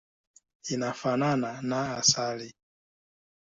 Inafanana na asali.